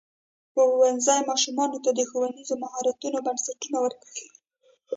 ښوونځی ماشومانو ته د ښوونیزو مهارتونو بنسټونه ورکوي.